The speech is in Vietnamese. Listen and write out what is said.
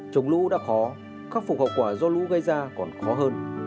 chống lũ đã khó khắc phục hậu quả do lũ gây ra còn khó hơn